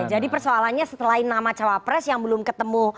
oke jadi persoalannya setelah nama cawapres yang belum ketemu